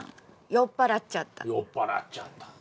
「酔っぱらっちゃった」。